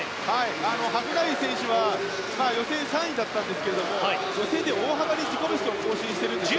ハフナウイ選手は予選３位だったんですが予選で大幅に自己ベストを更新してるんですね。